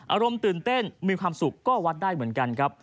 อารมณ์ตื่นเต้นมีความสุขก็วัดได้เหมือนกันครับ